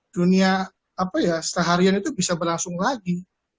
dunia apa ya setaharian itu bisa berlangsung kembali